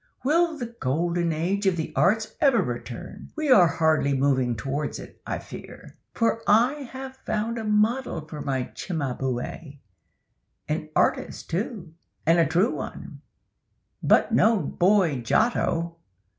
Will the golden age of the arts ever return? We are hardly moving towards it, I fear. For I have found a model for my Cimabue,—an artist too, and a true one; but no boy Giotto!